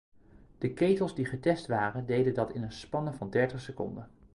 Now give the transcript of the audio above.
De ketels die getest waren deden dat in een spanne van dertig seconden.